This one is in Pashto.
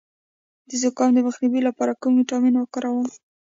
د زکام د مخنیوي لپاره کوم ویټامین وکاروم؟